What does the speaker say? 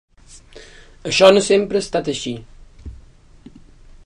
Això no sempre ha estat així.